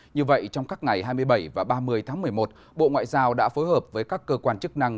như vậy trong các ngày hai mươi bảy và ba mươi tháng một mươi một bộ ngoại giao đã phối hợp với các cơ quan chức năng